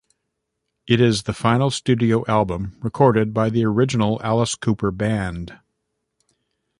It is the final studio album recorded by the original Alice Cooper band.